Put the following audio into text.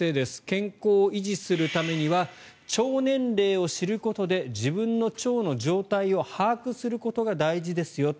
健康を維持するためには腸年齢を知ることで自分の腸の状態を把握することが大事ですよ。